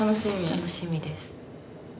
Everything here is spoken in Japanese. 楽しみです。